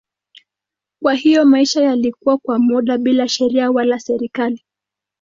Kwa hiyo maisha yalikuwa kwa muda bila sheria wala serikali.